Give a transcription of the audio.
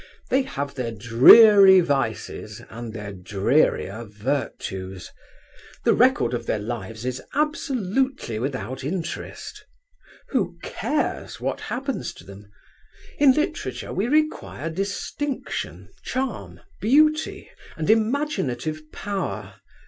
They have their dreary vices, and their drearier virtues. The record of their lives is absolutely without interest. Who cares what happens to them? In literature we require distinction, charm, beauty and imaginative power.